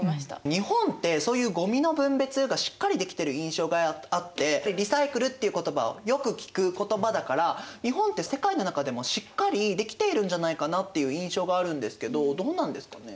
日本ってそういうごみの分別がしっかりできてる印象があってリサイクルっていう言葉はよく聞く言葉だから日本って世界の中でもしっかりできているんじゃないかなっていう印象があるんですけどどうなんですかね？